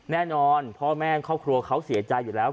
พ่อแม่ครอบครัวเขาเสียใจอยู่แล้ว